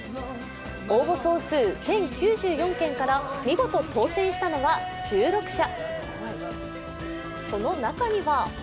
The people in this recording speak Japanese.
応募総数１０９４件から見事当選したのは１６社。